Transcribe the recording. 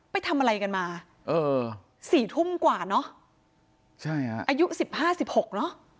ไปทำอะไรกันมาเออสี่ทุ่มกว่าเนอะใช่ฮะอายุสิบห้าสิบหกเนอะ